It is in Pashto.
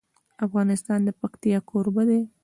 افغانستان د پکتیا کوربه دی.